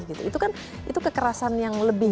itu kan itu kekerasan yang lebih